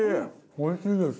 おいしいです。